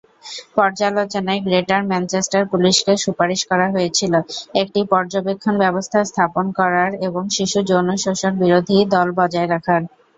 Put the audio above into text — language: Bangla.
পর্যালোচনায় গ্রেটার ম্যানচেস্টার পুলিশকে সুপারিশ করা হয়েছিল, একটি পর্যবেক্ষণ ব্যবস্থা স্থাপন করার এবং শিশু যৌন শোষণ বিরোধী দল বজায় রাখার।